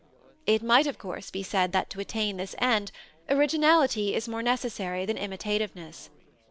It might of course be said that to attain this end originality is more necessary than imitativeness.